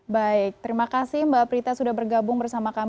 baik terima kasih mbak prita sudah bergabung bersama kami